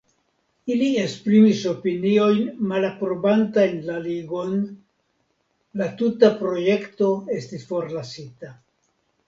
Ili esprimis opiniojn malaprobantajn la Ligon, la tuta projekto estis forlasita.